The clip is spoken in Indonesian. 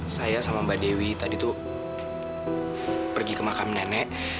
saya sama mbak dewi tadi tuh pergi ke makam nenek